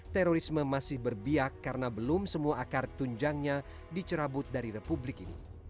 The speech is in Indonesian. terorisme masih berbiak karena belum semua akar tunjangnya dicerabut dari republik ini